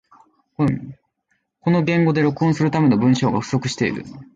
この言語で録音するための文章が不足している